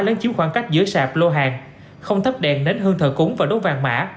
lớn chiếm khoảng cách giữa sạp lô hàng không thấp đèn nến hương thờ cúng và đốt vàng mã